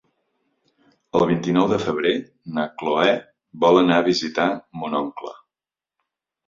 El vint-i-nou de febrer na Cloè vol anar a visitar mon oncle.